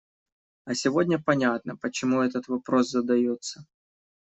А сегодня понятно, почему этот вопрос задается.